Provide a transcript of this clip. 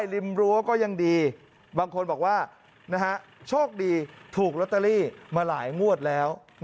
ริมรั้วก็ยังดีบางคนบอกว่านะฮะโชคดีถูกลอตเตอรี่มาหลายงวดแล้ว